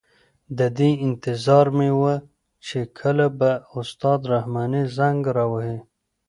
د دې انتظار مې وه چې کله به استاد رحماني زنګ را وهي.